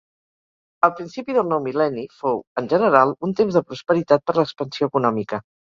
El principi del nou mil·lenni fou, en general, un temps de prosperitat per l'expansió econòmica.